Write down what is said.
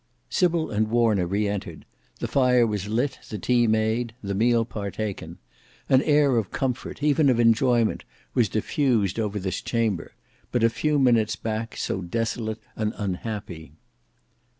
Sybil and Warner re entered; the fire was lit, the tea made, the meal partaken. An air of comfort, even of enjoyment, was diffused over this chamber, but a few minutes back so desolate and unhappy.